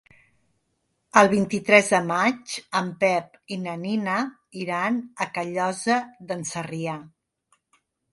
El vint-i-tres de maig en Pep i na Nina iran a Callosa d'en Sarrià.